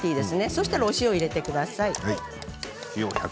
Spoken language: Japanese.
そうしたらお塩を入れてください。